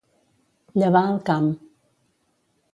Llevar el camp.